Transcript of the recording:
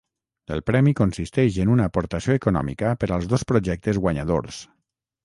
El premi consisteix en una aportació econòmica per als dos projectes guanyadors.